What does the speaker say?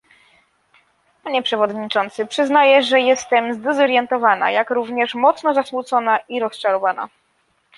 Panie przewodniczący, przyznaję, że jestem zdezorientowana, jak również mocno zasmucona i rozczarowana